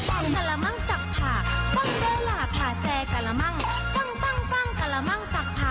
ปังการะมังสักผ่าฟังเดลาผ่าแซการะมัง